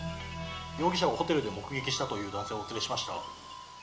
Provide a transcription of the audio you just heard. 容疑者をホテルで目撃したという男性をお連れしました。